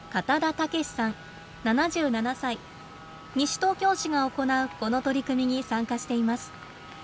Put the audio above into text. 西東京市が行うこの取り組みに参加しています。